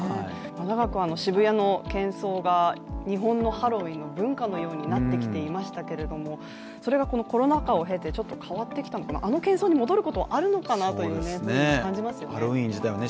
長く渋谷の喧騒が日本のハロウィーンの文化のようになってきていましたけれどもそれがこのコロナ禍を経てちょっと変わってきたのかな、あの喧騒に戻ることはあるのかなっていうふうに感じますよね。